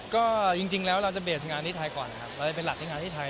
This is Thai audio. ก็จริงแล้วเราจะเบสงานที่ไทยก่อนนะครับเราจะเป็นหลักที่งานที่ไทย